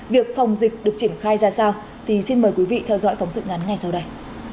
việc phòng dịch được triển khai ra sao thì xin mời quý vị theo dõi phóng sự ngắn ngay sau đây